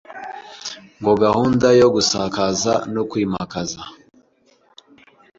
ngo gahunda yo gusakaza no kwimakaza